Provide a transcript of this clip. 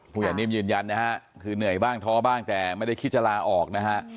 อย่านิ่มยืนยันนะฮะคือเหนื่อยบ้างท้อบ้างแต่ไม่ได้คิดจะลาออกนะฮะ